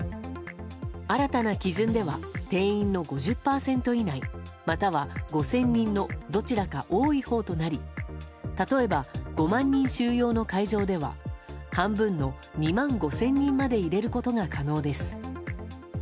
新たな基準では定員の５０％以内または５０００人のどちらか多いほうとなり例えば、５万人収容の会場では半分の２万５０００人まで入れることが可能です。